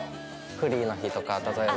フリーの日とか例えば。